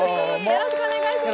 よろしくお願いします。